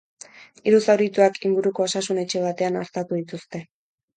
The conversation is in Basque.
Hiru zaurituak inguruko osasun etxe batean artatu dituzte.